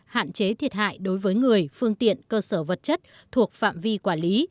hạn chế thiệt hại đối với người phương tiện cơ sở vật chất thuộc phạm vi quản lý